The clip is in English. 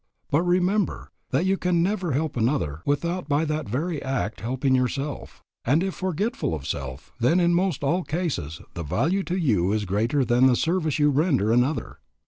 But remember that you can never help another without by that very act helping yourself; and if forgetful of self, then in most all cases the value to you is greater than the service you render another.